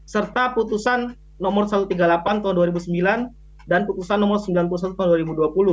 serta putusan nomor satu ratus tiga puluh delapan tahun dua ribu sembilan dan putusan nomor sembilan puluh satu tahun dua ribu dua puluh